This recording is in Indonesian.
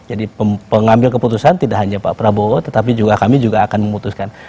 jadi pengambil keputusan tidak hanya pak prabowo tetapi kami juga akan memutuskan